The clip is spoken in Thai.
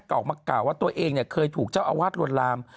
กล่าวออกมากล่าวว่าตัวเองเนี่ยเคยถูกเจ้าอาวาสรวนลาม